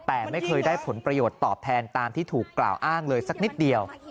แต่ไม่เคยได้ผลประโยชน์ตอบแทนตามที่ถูกกล่าวอ้างเลยสักนิดเดียว